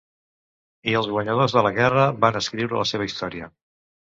I els guanyadors de la guerra van escriure la seva història.